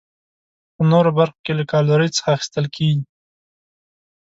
په نورو برخو کې له کالورۍ څخه کار اخیستل کیږي.